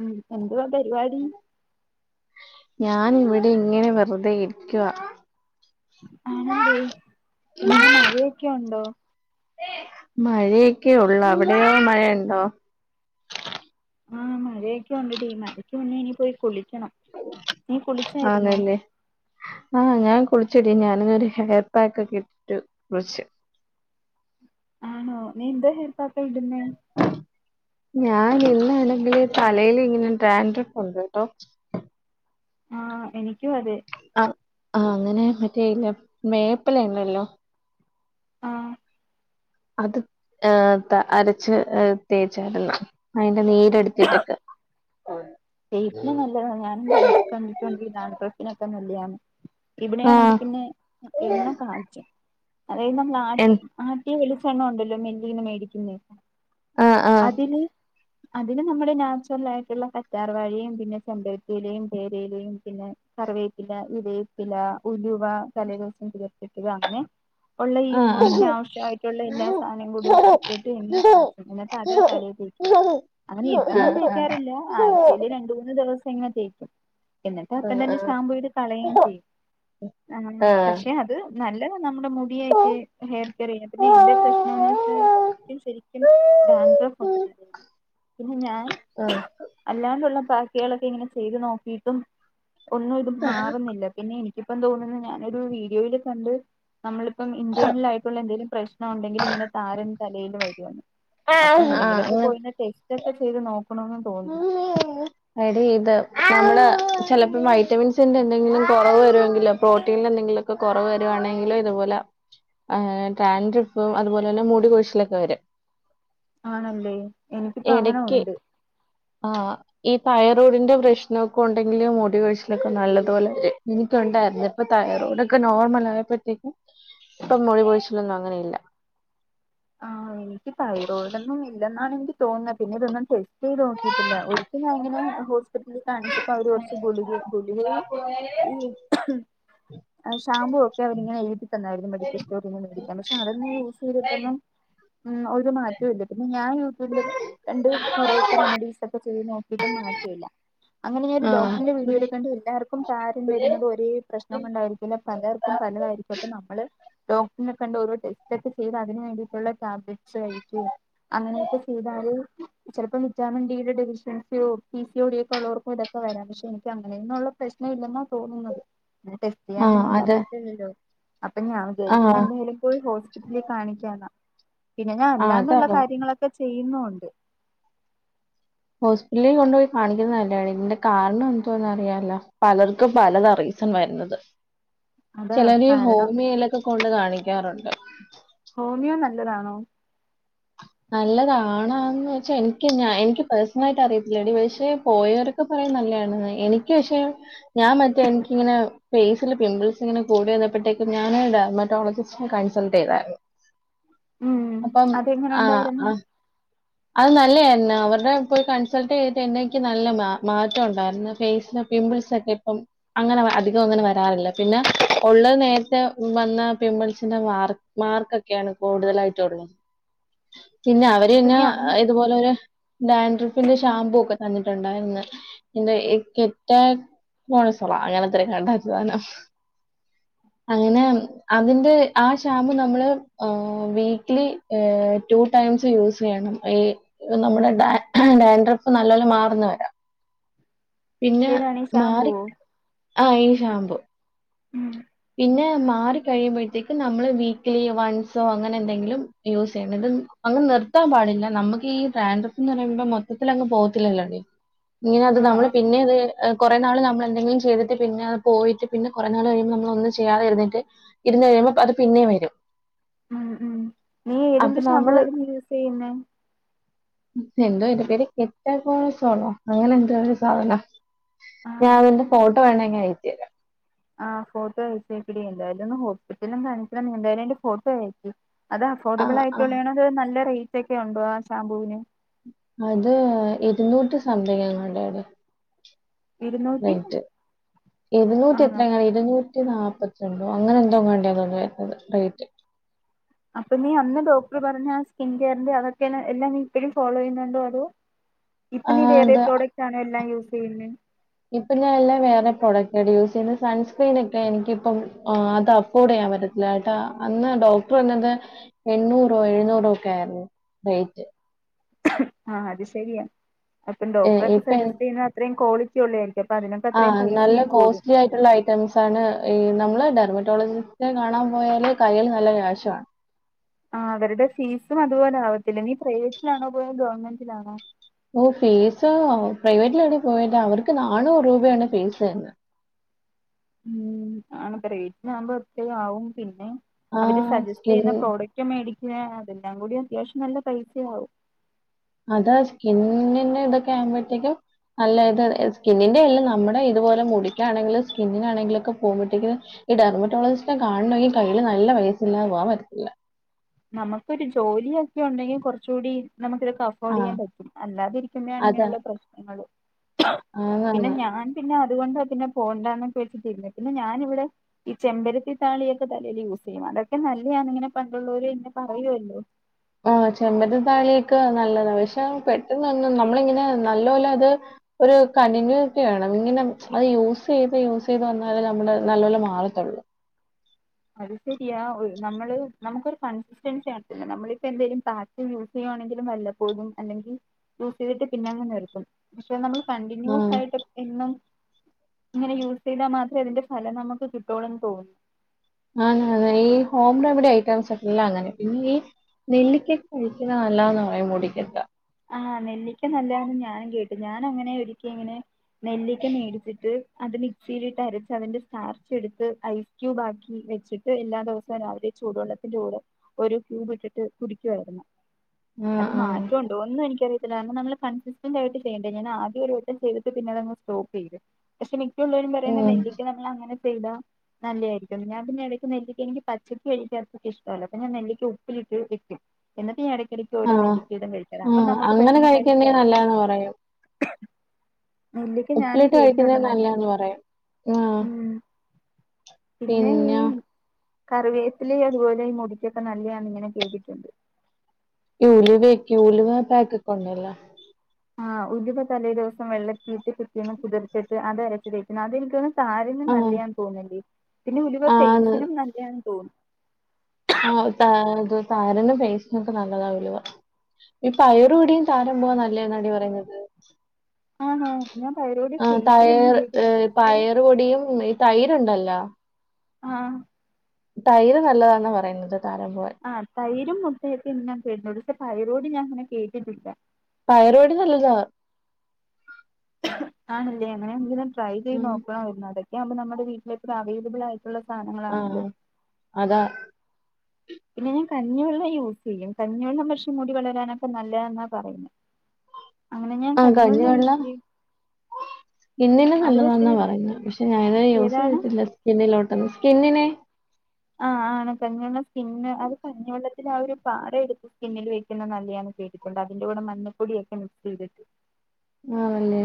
ഉം എന്തുവാ പരിപാടി ഞാൻ ഇവിടെ ഇങ്ങനെ വെറുതെ ഇരിക്കുവ ആണല്ലേ പിന്നെ മഴയൊക്കെ ഉണ്ടോ മഴയൊക്കെയൊള്ള് അവിടെയോ മഴയൊണ്ടോ ആഹ് മഴയൊക്കെ ഒണ്ടടീ മഴയ്ക്ക് മുന്നേ ഇനി പോയി കുളിക്കണം നീ കുളിച്ചായിരുന്നോ ആന്നല്ലേ ആഹ് ഞാൻ കുളിച്ചടി ഞാനിന്നൊരു ഹെയർ പാക്ക് ഒക്കെ ഇട്ടിട്ട് കുളിച്ചു ആണോ നീ എന്താ ഹെയർപ്പാക്ക ഇടുന്നെ ഞാൻ ഇടുന്നാണങ്കില് തലയില് ഇങ്ങനെ ഡാൻട്രഫ് ഉണ്ട് കേട്ടോ ആഹ് എനിക്കും അതെ അ ആഹ് അങ്ങനെ മറ്റേഇല്ല മേപ്പല ഇണ്ടല്ലോ ആഹ് അത് ആഹ് അരച്ച് തേച്ചാരന്ന് അതിന്റെ നീരെടുത്തിട്ടൊക്കെ ആഹ് പേസ്റ്റിന് നല്ലതാ ഞാനും കണ്ടിട്ടുണ്ട് [unintelligible] നൊക്കെ നല്ലതാണ് ആഹ് ഇവിടെയാണെങ്കിൽ പിന്നെ എണ്ണ കാച്ചും അതായത് നമ്മൾ ആ എൻ ആട്ടിയ വെളിച്ചെണ്ണ ഉണ്ടല്ലോ മില്ലീന്ന് മേടിക്കുന്ന ആഹ് ആഹ് അതില് അതില് നമ്മുടെ നാച്ചുറൽ ആയിട്ടുള്ള കറ്റാർവാഴയും പിന്നെ ചെമ്പര ത്തിയിലെയും പേരയിലെയും പിന്നെ കറിവേപ്പില [unintelligible] ചില ഉലുവ തലേ ദിവസം ചേർത്തിട്ടത് അങ്ങനെ ഉള്ള ഈ മുടിക്ക് ആഹ് ആവശ്യമായിട്ടുള്ള എല്ലാ സാധനം കൂടി ഇട്ടിട്ട് എണ്ണ ആഹ് കാച്ചണം എന്നിട്ട് ആ ആ അത് തലയിൽ തേക്ക് [inaudible] അങ്ങനെ എന്നൊന്നും തേക്കാറില്ല ആഴ്ചയില് രണ്ട് മൂന്ന് ദിവസം ഇങ്ങനെ തേക്കും എന്നിട്ട് അപ്പം തന്നെ ഷാമ്പൂ ഇട്ട് കളയും ചെയ്യും പക്ഷെ അത് നല്ലതാ നമ്മുടെ മുടിയൊക്കെ ഹെയർ കെയർ ചെയ്യനെ പിന്നെ എന്റെ പ്രശ്നവെന്ന് വെച്ചാല് ശരിക്കും ബാഡ്രോ കൊണ്ട് [unintelligible] പിന്നെ ഞാൻ ആഹ് ഹം അല്ലാണ്ടുള്ള ബാക്കികളെക്കെ ഇങ്ങനെ ചെയ്ത് നോക്കിട്ടും ഒന്നും ഇത് മാറുന്നില്ല പിന്നെ എനി ക്ക് ഇപ്പം തോന്നുന്നു ഞാനൊരു വീഡിയോയിൽകണ്ട് നമ്മളിപ്പം ഇന്റേണൽ ആയിട്ടുള്ള എന്തെങ്കിലും പ്രശ്നം ഉണ്ടെങ്കിൽ ഇങ്ങനെ താരൻ തലേല് വരുവെന്ന്. അപ്പൊ ആ ആ എന്തെങ്കിലൊക്കെ അങ്ങനെ പോയിന ടെസ്റ്റ് ഒക്കെ ചെയ്ത് നോക്കണന്ന് തോന്നുന്നു. എടി ഇത് നമ്മള് ചിലപ്പോ വൈറ്റമിൻസിന്റെ എന്തെങ്കിലും കുറവ് വരുമെങ്കിലോ പ്രോട്ടീനി എന്തെങ്കിലും ഒക്കെ കുറവ് വരുവാണെങ്കിലും ഇതുപോല ആഹ് ട്രാൻ ട്രിപ്പും അതുപോലെ തന്നെ മൂടി കൊഴിച്ചിലൊക്കെ വരും. ആണല്ലേ? എനിക്കിപ്പ അങ്ങന ഇടയ്ക്ക് ഉണ്ട്. ആഹ് ഈ തൈറൊഡിന്റെ പ്രശ്നഒക്കെ ഉണ്ടെങ്കിലും മുടി കൊഴിച്ചിലൊക്കെ നല്ലതുപോലെ വരും എനിക്ക് ഒണ്ടാരുന്നു ഇപ്പൊ തൈറോയ്ഡ് ഒക്കെ നോർമൽ ആയപ്പോത്തേക്കും ഇപ്പം മുടിപൊഴിച്ചിലൊന്നും അങ്ങനെ ഇല്ല. ആ എനിക്ക് തൈറോയ്ഡൊന്നും ഇല്ലെന്നാണ് എനിക്ക് തോന്ന പിന്നെ ഇതൊന്നും ടെസ്റ്റ് ചെയ്ത് നോക്കിട്ടില്ല ഒരിക്കലങ്ങനെ ഹോസ്പിറ്റലിൽ കാണിച്ചപ്പോ അവര് കുറച്ച് ഗുളികയും ഗുളികയോ ഈ ആ ഷാമ്പൂ ഒക്കെ അവരിങ്ങനെഎഴുതി തന്നായിരുന്നു മെഡിക്കൽ സ്റ്റോറിന്ന് മേടിക്കാൻ പക്ഷെ അതൊന്നും യൂസ് ചെയ്തിട്ടോന്നും ഉം ഒരു മാറ്റോം ഇല്ല പിന്നെ ഞാൻ യൂട്യൂബില് കണ്ട് കൊറെയൊക്കെ റെമഡീസ് ഒക്കെ ചെയ്ത് നോക്കിട്ടും മാറ്റഇല്ല. അങ്ങനെ ഞാൻ ഒരു ആഹ് ഡോക്ടറിന്റെ വീഡോയിൽക്കണ്ട് എല്ലർ ക്കും താരൻ വരുന്നത് ഒരേ പ്രശ്നം കൊണ്ടായിരിക്കില്ല പലർക്കും പലതായിരിക്കും അപ്പ നമ്മള് ഡോക്ടറിനെ കണ്ട് ഓരോ ടെസ്റ്റ് ഒക്കെ ചെയ്ത് അതിന് വേണ്ടി ഉള്ള ടാബ്ലെറ്റ്സ് കഴിക്കുകെം അങ്ങനെഓക്കെ ചെയ്താല് ചിലപ്പോ വിറ്റാമിൻ ഡി യുടെ ഡെവിഷസിയോ, പി സി യോ ഡിഒക്കെ ഉള്ളവർക്കും ഇതൊക്കെ വരാം പക്ഷെ എനിക്ക് അങ്ങനെന്നുള്ള പ്രശ്നഇല്ലെന്നാ തോന്നുന്നത് എ ടെ ആഹ് ചെയ്യാനൊന്നും അതെ പറയത്തില്ലല്ലോ? അപ്പ ഞാൻ ആഹ് വിചാരിക്കുന്നേഎന്തായാലും പോയി ഹോസ്പിറ്റലിൽ കാണിക്കാന്നാ. പിന്നെ ഞാൻ ആഹ് അല്ലാണ്ടുള്ള അതാവാം കാര്യങ്ങളൊക്കെ ചെയ്യുന്നുണ്ട്. ഹോസ്പിറ്റലിൽ കൊണ്ടുപോയി കാണിക്കുന്നേ നല്ല താടി ഇതിന്റെ കാരണം എന്തുവാന്ന് അറിയാല്ലോ? പലർക്കും പലതറിയും സൺ വരുന്നത് അതാ ചിലര് കാരണം ഹോമിയിലൊക്കെ കൊണ്ട് കാണിക്കാറുണ്ട്. ഹോമിയോ നല്ലതാണോ? നല്ലതാണാന്ന് വെച്ചാൽഎനിക്ക് ഞാൻ എനിക്ക് പേഴ്സണൽ ആയിട്ട് അറിയത്തില്ലടി പക്ഷെ പോയൊര് ഓക്കെ പറയും നല്ലആണന്ന് എനിക്ക് പക്ഷെ ഞാൻ മറ്റേ എനിക്കിങ്ങനെ ഫേസില് പിമ്പിൾസ് ഇങ്ങനെ കൂടി വന്നപ്പോഴത്തേക്കും ഞാൻ ഡർമറ്റോളജി സ്‌നെ കൺസൾട്ട് ചെയ്താരുന്നു. ഉം അതെങ്ങനെ ആ ആ ഉണ്ടായിരുന്നു? അത് നല്ലയിരുന്നു അവരുടെ പോയി കൺസൾട്ട് ചെയ്തിട്ട് എനിക്ക് നല്ല മാ മാറ്റം ഉണ്ടാരുന്നു ഫേസ് പിംമ്പിൾസ് ഒക്കെ ഇപ്പം അങ്ങനെ വ അധികം അങ്ങന വരാറില്ല പിന്നെ ഉള്ള നേരത്തെ വന്ന പിമ്പിൾസിന്റെ മാർ മാർക്കൊക്കെയാണ് കൂടുതലായിട്ടുള്ളത് പിന്നെ അവര് അപ്പൊ പിന്നെ നീ അന്ന് ഇതുപോലെ ഒരു ഡാൻഡ്രിഫിന്റെ ഷാമ്പൂ ഒക്കെ തന്നിട്ടുണ്ടാരുന്നു. എന്തുവാ എ കെറ്റാ സ്കാസറോ അയാൾ അത്ര കണ്ടാ സാനം. അങ്ങനെ ആണ് അതിന്റെ ആ ഷാമ്പു നമ്മള് a weekly a two times use ചെയ്യണം. ഈ നമ്മുടെ ഡ ഡാൻട്രിപ്പ് നല്ല പോലെ മാറ്ന്ന വരെ. പിന്നെ ഏതാണ് ഈ മാറി ഷാംമ്പൂവോ ആ ഈ ഷാംമ്പൂ. ഉം. പിന്നെ മാറി കഴിയുമ്പോഴത്തേക്കും നമ്മള് വീക്ക്ലി വൺസോ അങ്ങനെ എന്തെങ്കിലും യൂസ് ചെയ്യണം ഇത് അങ്ങ് നിർത്താൻ പാടില്ല നമ്മക്കി ഡാൻഡ്രഫ് എന്ന് പറയുമ്പോ മൊത്തത്തിൽ അങ്ങ് പോത്തില്ലല്ലോടി. ഇങ്ങനെ അത് ആഹ് നമ്മള് ആഹ് പിന്നെ അതില് ഏ കുറെ നാൾ നമ്മള് എന്തെങ്കിലും ചെയ്തിട്ട് പിന്നെ അത് പോയിട്ട് പിന്ന കുറേ നാൾ കഴിയുമ്പോ നമ്മ ഒന്നും ചെയ്യാതെ ഇരുന്നിട്ട് ഇരുന്ന് കഴിയുമ്പോ അത് പിന്നെ വരും ഉം ഉം നീ അപ്പൊ ഏതിന്റെ ഷാമ്പ് നമ്മൾ വരും യൂസ് ചെയ്യുന്നേ? എന്തോന്റെ പേര്? കെട്ടകേണസോലോ, അങ്ങനെ എന്തോ ഒരു സാധനം. ആഹ് ഞാൻതിന്റെ ഫട്ടോ വേണെങ്ങ- അയച്ച് തരാം. ആഹ ഫോട്ടോ അയച്ച ഇപ്പടി, എന്തായാല ഒന്ന് ഹോസ്പിറ്റലും- കാണിച്ച എന്തായാലും അതിന്തേയ് ഫോട്ടോ അയച്ചു- അത് ആ അഫോർഡബിൾ- ആ ആയിട്ടുള്ളണോ? അത് നല്ല റേറ്റ് ഒക്കെ ഉണ്ടോ? ആ ഷാംമ്പൂവിന്. അത് ഇരുന്നൂറ്റി സംതിങ് അവിടെ. ഇരുന്നൂറ്റി ററ്റ് എരുന്നൂറ്റി എത്ര ആണോ കണ- ഇരുന്നൂറ്റി നാൽപ്പത്തി രണ്ടോ? അങ്ങനെ എന്തോ? വണ്ടിയ തോന്ന വരുന്നത് റേറ്റ്. അപ്പൊ നീ അന്ന് ഡോക്ടർ പറഞ്ഞ- ആ സ്കിൻ കെയറിന്റെ അതൊക്കെ എല്ലാം നീ ഇപ്പോഴും ഫോളോ ചെയ്യുന്നുണ്ടോ? അതോ- [inaudible] ഇപ്പോ നീ വേറെ അത് പ്രോഡക്റ്റ്- ആണോ എല്ലാം യൂസ് ചെയ്യുന്നത്? ഇപ്പം ഞാൻ എല്ലാം വേറെ പ്രോഡക്റ്റ് ആയിട്ട് യൂസ് ചെയ്യുന്നത് സൺക്രീന ഒക്കെ- എനിക്ക ഇപ്പം അത് അഫോർഡ്- ചെയ്യാൻ പറ്റുന്നത്. ട്ടാ അന്ന് ഡോക്ടർ വന്നത് എണ്ണൂറോ, എഴുന്നൂറോ ഒക്കെ ആയിരുന്നു റേറ്റ്. ആഹ അത് ശരിയ അപ്പം ഡോക്ടറ ഒക്കെ ഇപ്പൊ സജെസ്റ്റ് ചെയ്യുന്നത്, അത്രേയും ക്വാളിറ്റി ഉള്ളതരിക്കും. ആഹ നല്ല കോസ്റ്റ്ലി ആയിട്ടുള്ള ഐറ്റം, സ്റ്റെംസ്ണ് ഈ നമ്മള്, ഡെർമറ്റോളജിജിസ്റ്റ് കാണാൻ- പോയാല് കൈയിൽ നല്ല കാശുംവേണം. ആ അവരുടെ ഫീസും അതുപോലെ ആവത്തില്ല? നീ പ്രൈവറ്റിലാണോ, പോയ ഗവൺമെന്റിലാണോ? ഓ ഫീസ് പ്രൈവറ്റില അവിടെ- പോയിട്ട് അവർക്ക് നാനൂറ്- രൂപയാണ് ഫീസ് എന്ന്. ഉ ആ റേറ്റ്ന ആകുമ്പോ ഒത് ആവും, പിന്നെ അവര് ആഹ് സജസ്റ്റ് സ്കിൻ ചെയ്യുന്ന പ്രോഡക്റ്റ്. ഒറ്റ മേടിക്കുക അതെല്ലാം കൂടി- അത്യാവശ്യം നല്ല പൈസയാകവും. അത സ്കിന്നിന് ഇതൊക്കെ ആകുമ്പോഴത്തേക്കും. അല്ലായത് സ്കിന്നിന്റെ എല്ലാം നമ്മുടെ ഇതുപോലെ മുടിക്കാണെങ്കിലും, സ്കിന്നിനാണെങ്കിലും ഒക്കെ പോകുമ്പോഴേ- ഈ ഡെർമറ്റോളജിജിസ്റ്റ് കാണെങ്കഈ കയ്യിൽ നല്ല വയസ്സില്ലാെ പോകവാൻ പറ്റത്തില്ല. നമുക്കൊരു ജോലിയൊക്കിയ ഉണ്ടെങ്കിൽ കുറച്ചുകൂടി നമുക്ക ഇതൊക്കെ- ചെയ്യാൻ ആഹ് പറ്റും അല്ലാതിെരിക്കുമ്പോഴാണ് അതാ ഇങ്ങനെയുള്ള പ്രശ്നങ്ങള്ൾ പിന്നെ ആന്നാന്ന് ഞാൻ- പിന്നെ അതുകൊണ്ട് പിന്നെ- പോണ്ടന്നൊക്കെ വെച്ചിട്ടി പിന്നെ- ഞാനിവിടെ. ഈ ചെമ്പരത്തി താളിയൊക്കെ തലൽ യൂസ് ചെയ്യും അതൊക്കെ നല്ലതാന്ന് ഇങ്ങനെ പണ്ടുള്ളവര് എന്നന്നെ പറയുമല്ലോ. ആഹ ചെമ്പര താളിയൊക്കെ- നല്ലതാണ് പക്ഷെ, പെട്ടെന്ന്ന്ന നമ്മളിങ്ങനെ നല്ല പോലെ അത്- ഒരു കണ്ടിന്യൂറ്റി വേണം. ഇങ്ങനെ അത് യൂസ് ചെയ്ത്, യൂസ് ചെയ്ത് വന്നാലേ നമ്മുടെ നല്ലപല്ല- മാറത്തുള്ളൂ. അത് ശരിയാ നമ്മള് നമുക്കൊരു കൺസിസ്റ്റൻസി നടത്തില്ല. നമ്മളിപ്പോ എന്തായും- യൂസ് ചെയ്യുവാണെങ്കിലും, വല്ലപ്പോതും അല്ലെങ്കിൽ യൂസ്- ചെയ്തിട്ട് പിന്നെ അങ്ങനെ. എടുക്കും പക്ഷെ നമ്മള് കണ്ടിന്യൂസ് ആഹ്. ആയിട്ട്. എന്നും ഇങ്ങനെ യൂസ് ചെയ്താൽ, മാത്രമേ അതിന്റെ ഫലം നമുക്ക്, കിട്ടയുള്ളൂന്ന് തോന്നുന്നു. ആന ഈ ഹോം റെമിഡി ഐറ്റംസ് ഒക്കെല്ല അങ്ങനെ, പിന്നെ ഈ- നെല്ലിക്ക കഴിക്കുന്ന നല്ലാന്ന് പറയും മുടിക്കട്ട. ആഹ് നെല്ലിക്ക നല്ലന്ന് ഞാനും കേട്ടു, ഞാന അങ്ങനെ ഒരിക്കി- ഇങ്ങനെ നെല്ലിക്ക മേടിച്ചിട്ട്- അത് മിക്സിയിലിട്ട് അരച്ച് അതിന്റെ സ്റ്റാർച്ച് എടുത്ത് ഐസ് ക്യൂബ് ആക്കി വെച്ചിട്ട് എല്ലാ- ദിവസവും രാവിലെ ചൂടു വെള്ളത്തിൽ- ന്റെ കൂടെ ഒരു ക്യൂബ് ഇട്ടിട്ട്- കുടിക്കുവായിരുന്നു. ആഹ് അത് ആഹ്. മാറ്റ- ണ്ടോ ഒന്നും എനിക്കറത്തില്ല. കാരണം നമ്മ കൺസിസ്റ്റന്റ് ആയിട്ട് ചെയ്യണ്ടേ, ഞൻ ആദ്യം ഒരു വട്ടം ചെയ്തിട്ട, പിന്നെ അങ് സ്റ്റോപ്പ് ചെയ്ത്. പക്ഷെ മിക്കുള്ളവരും പറയുന്ന ഉം. നെല്ലിക്ക് നമ്മൾ അങ്ങനെ ചെയ്ത. നല്ലയായിരിക്കും ഞാൻ പിന്നെ ഇടക്ക് നെല്ക്കക്ക് എനിക്ക് പച്ചക്കക്ക് കഴി ചേർക്കക്ക് ഇഷ്ടല്ല. അപ്പ ഞാൻ നെല്ലിക്കക്ക് ഉപ്പിലിട്ട് കിട്ടും. എന്നിട്ട ഈ ഇടയ്ക്കടക്ക് ഓര നല്ലിക്കടും കഴിച്ചു. ആ അങ്ങനെ കഴിക്കണ്ടെങ്കിൽ നല്ലതന്ന് പറയായും. [unintelligible] നല്ലക്ക് ഞാനും ഉപ്പിലിട്ട് കഴിക്കുന്നേ കേട്ടിട്ടുണ്ട നല്ല നല്ലതാന്ന് പറയും. ആഹ് ഉം. പിന്നെ ഈ- കറിവേത്തിലേ അതുപോലെഈ- മുടിക്കൊക്കെ നല്ലതണ ഇങ്ങനെ കേട്ടയിട്ടുണ്ട്. ലിവേക്ക് യ ഉലിവ പാക്ക് കൊണ്ടില്ല. ആഹ് ഉലുവ തലേ ദിവസം വെള്ളത്തിട്ട് കിട്ടിന്ന് കുതിർച്ചിട്ട് അത് അരച്ചു തേറ്റുന്നു, അതെനിക്ക്ന്ന്. താരനും ആഹ് നല്ലൻ തോന്നില്ലേ, പിന്നെ ഉലിവ ആന്ന് ഫേസിനും നല്ലണ് തോന്നുന്നു. ആഹ തത് താരന പേസ്നൊക്കെ നല്ലതാവുലോ ഈ പയറു പൊടി താരന് നല്ലന്നാടി പറയുന്നത് ആണോ ഞാൻ തൈറോയ്ഡ് ആ ഫേസിലൊന്നും തയർ ഏ ഉപയോഗിക്കുന്നില്ല പക്ഷേ പയർ പൊടിയും തൈര്ണ്ടല്ലോ ആഹ തൈര് നല്ലതാണ പറയുന്നത് താരം പോ ആ് തൈരും മുട്ടയക്ക ഇന്നൻ കേടുന്നു പക്ഷെ തൈരോട് ഞാൻ അങ്ങനെ കേട്ടിട്ടില്ല പയറുപൊടി നല്ലതാ ആണല്ലേ അങ്ങനെയാണെങ്കിൽ ട്രൈ ചെയ്ത് ഉം നോക്കണമായിരരുന്നു അതൊക്കെയുമ്പോ നമ്മുടെ വീട്ടിലെപ്പ അവൈലബിൾ ആയി ള്ള ആഹ് സാധനങ്ങളാണല്ലോ അതാ പിന്നെ ഞാൻ കഞ്ഞിവെള്ളം യൂസ് ചെയ്യും കഞ്ഞിവെള്ളം പക്ഷമുടി വളരാനൊക്കെ നല്ലത എന്നാ പറയുന്നത് അങ്ങനെ ഞാൻ കഞ്ഞോള്ളേ യൂസിലി സ്കിന്നിനും പക്ഷേ നല്ലതാന്നാ പറയുന്നത് പക്ഷെ ഞാനത് യൂസ് ഏതാണ് ചെയ്തിട്ടില്ല കിന്നിലോട്ടന്ന് സ്കിന്നിനെ ആ ആണ കഞ്ഞി വെള്ളം സ്കിന്ന് അത് കഞ്ഞിവെള്ളത്തിന് ആ ഒരു പാറ എടുത്തു സ്കിന്നിൽ വെക്കുന്നുന്നത് നല്ലയാന്ന് കേട്ടിട്ടണ്ട് അതിന്റെ കൂടെ മഞ്ഞൊിയ ഒക്കെ മിക്സ് ചെയ്തിട്ട് ആണല്ലേ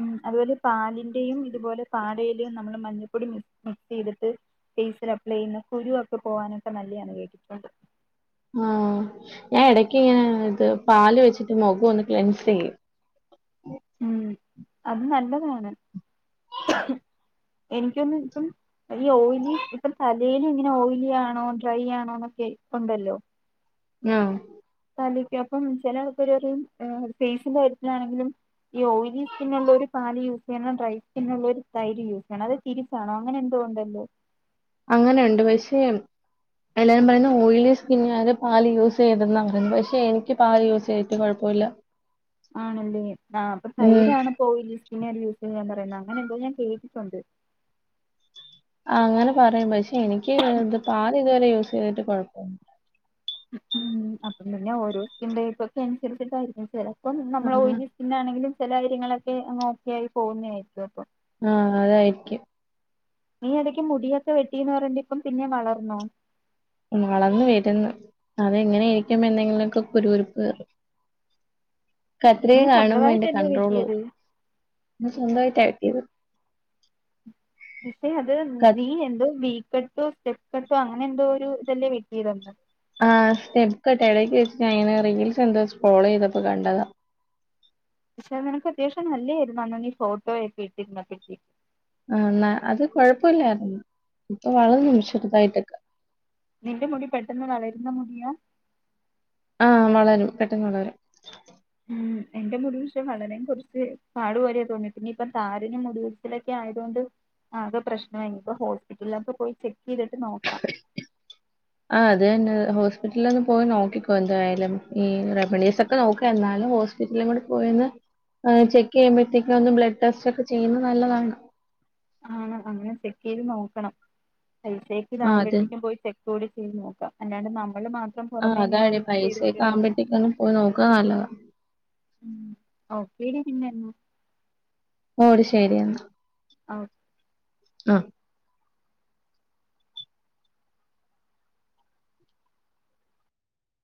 ഉം അതുപോലെ പാലിന്റെയും ഇതുപോലെ പാടയിലും നമ്മള് മഞ്ഞൾപ്പൊടി മിക്സി എടുത്ത് ഫെ സിൽ അപലൈ ചെയ്യുന്ന കുരുവൊക്കെ പോവാനൊക്കെ നല്ലാണ് കേട്ടിട്ടുണ്ട് ആഹ ഞാൻ ഇടക്ക് ഇങ്ങനെ ഇത് പാല് വെച്ചിട്ട് മുഖം ഒന്ന് ക്ലെൻസ് ചെയ്യും ഉം അത് നല്ലതാണ് എനിക്കൊന്ന ഇപ്പം ഈ ഓയിലി ഇപ്പ തലൽ ഇങ്ങനെ ഓയിലി ആണോ ഡ്രൈ ആണോ എന്നൊക്കെ ഉണ്ടല്ലോ ആ തല അപ്പം ചിലൾക്ക ഫേസിന്റെ കാര്യത്തിലാണെങ്കിലും ഈ ഓയിലി സ്കി ഉള്ള ഒരു പാല് യൂസ് ചെയ്യണം ഡ്രൈ സ്കിന്നള്ള ഒരു തൈര് യൂസ് ചെയ്യണം അത് തിരിച്ചാണോ അങ്ങനെ എന്തോ കൊണ്ടല്ലോ അങ്ങനെയുണ്ട് പക്ഷെ എല്ലാവാരും പറയുന്ന ഓയിലി സ്കിന്ന ആര് പാല് യൂസ് ചെയ്താ പറയുന്നത് പക്ഷെ എനിക്ക് പാല് യൂസ് ചെയ്തിട്ട് കുഴപ്പമില്ല [inaudible] ആണല്ലേ ആ അപ്പൊ ഉം തൈരാണ് ഓയിൽ സ്കിൻ പറയുന്ന അങ്ങനെ എന്തോ ഞാൻ കേട്ടിട്ടുണ്ട് ആ അങ്ങനെ പറയും പക്ഷെ എനിക്ക് ഇത് പാൽ ഇതുവരെ യൂസ് ചെയ്തിട്ട് കുഴപ്പന്ന ഉ അപ്പം പിന്നെ ഓരോക്കിപ്പൊക്കെ അനുസരിച്ചിട്ടായിരിക്കും ചിലപ്പോം നമ്മള ആഹ് പിന്നാണെങ്കിലും ചില കാര്യങ്ങളൊക്കെ അോക്കെ ആയി പോകുന്നായിരിക്കും അപ്പൊ ആഹ അതായിരിക്കും നീ ഇടക്ക് മുടിയൊക്കെ വെട്ടീന്ന് പറഞ്ഞിട് ഇപ്പം പിന്നെ വളർന്നോ വളന്ന വരുന്നു അതെങ്ങനൊയിയിരിക്കുമ്പ എന്തെങ്കിലുമൊക്കെ കുരു കുറിപ്പ് കത്രിക നീ കാണുമ്പോ എന്റെ സ്വന്തമായിട്ടല്ലേ കണ്ട്രോൾ വെട്ടിയത് പോകും സ്വന്തമായിട്ട വെട്ടിയത് പക്ഷെ അത് ക- നീ എന്തോ വീ കട്ടോ സ്റ്റെപ്പ് കട്ടോ അങ്ങനെ എന്തോ ഒരു ഇതല്ലേ വെട്ടിയത് അന്ന് ആ് സ്റ്റെപ്പ് കട്ടെ ഇടയ്ക്ക് വെച്ച അങ്ങെ റീൽസ് എന്താ വെച്ച് സ്ക്രോൾ ചെയ്തപ്പോ കണ്ടതാ പക്ഷേ നിനക്ക് അത്യാശ്യം നല്ലായിരുന്നു അന്ന ഫോട്ടോ ഒക്ക ഇട്ടിരുന്നപ്പ ആ അത് കുഴപ്പില്ലായിരുന്നു ഇപ്പൊ വളർന്നു ചെറുതായിട്ടൊക്കെ നിന്റെ മുടി പെട്ടെന്ന് വളരുന്ന മുടിയാ ആ വളരും പെട്ടെന്ന് വളരും ഉം [inaudible] എന്റെ മുടി പക്ഷേ വളരാൻ കുറച്ച് പാടുപോലെ തോന്നി പിന്നെ ഇപ്പം താരനും മുടിവീച്ചലൊക്കെ ആയതുകൊണ്ട് ആകെ പ്രശ്നമായി ഇനിയിപ്പോ ഹോസ്പിറ്റലിൽ പോയി ചെക്ക് ചെയ്തിട്ട് നോക്കാം ആ് അതന്നെ ഹോസ്പിറ്റലിൽ ഒന്ന് പോയി നോക്കിക്കോ എന്തായാലും ഈ റെമഡീസ് ഒക്കെ നോക്ക എന്നാലും ഹോസ്പിറ്റലും കൂടെ പോയന്ന് ചെക്ക് ചെയ്യുമ്പഴത്തേക്കും ഒന്ന് ബ്ലഡ് ടെസ്റ്റ് ഒക്കെ ചെയ്യുന്നത് നല്ലതാണ് ആണ് അങ്ങനെ ചെക്ക് ചെയ്ത് നോക്കണം പൈസേക്ക് ആഹ് അത് ഇതാവകുമ്പോഴത്തേക്കും പോയി ചെക്ക് കൂടി ചെയ്ത് നോക്കാം അല്ലാണ്ട് നമ്മള് മാത്.. ആഹ് അതാണ് പൈസയക്കെ ആവുമ്പോഴത്തേകൊന്ന് പോയി നോക്കുക നല്ലത. ഉ ഓക്ക ടി പിന്നെന്ന.. ഓ ശരി എന്നാ. ഓക്കെ ആ